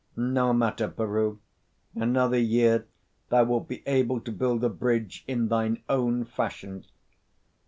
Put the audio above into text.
"No matter, Peroo. Another year thou wilt be able to build a bridge in thine own fashion."